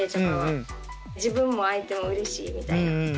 自分も相手もうれしいみたいな。